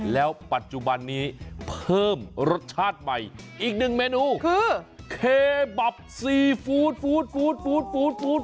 แล้วปัจจุบันนี้เพิ่มรสชาติใหม่อีกหนึ่งเมนูคือเคบับซีฟู้ดฟู้ดฟู้ดฟู้ด